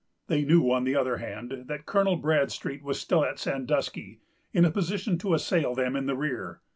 They knew, on the other hand, that Colonel Bradstreet was still at Sandusky, in a position to assail them in the rear.